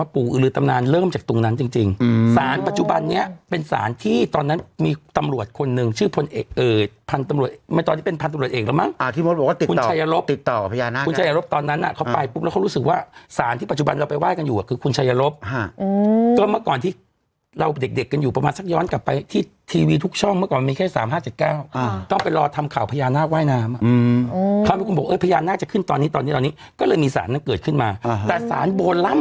ใบไม้ยังได้ยินเสียงเลยถูกต้องอืมไม่มีคนเลยใช่ไหมคือความ